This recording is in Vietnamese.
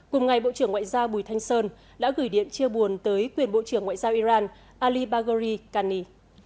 cùng ngày bộ trưởng ngoại giao bùi thanh sơn đã gửi điện chia buồn tới quyền bộ trưởng ngoại giao iran ali bagori kani